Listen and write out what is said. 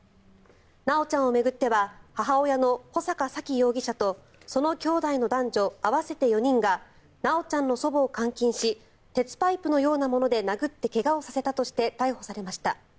修ちゃんを巡っては母親の穂坂沙喜容疑者とそのきょうだいの男女合わせて４人が修ちゃんの祖母を監禁し鉄パイプのようなもので殴って怪我をさせたとして逮捕されました。